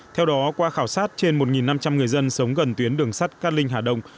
theo đó qua khảo sát trên một năm trăm linh người dân sống gần tuyến đường sắt cát linh hà đông